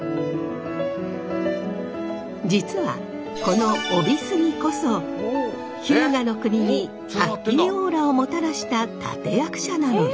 実はこの飫肥杉こそ日向国にハッピーオーラをもたらした立て役者なのです。